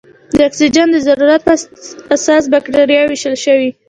د اکسیجن د ضرورت په اساس بکټریاوې ویشل شوې.